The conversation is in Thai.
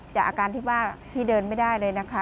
จากอาการที่ว่าพี่เดินไม่ได้เลยนะคะ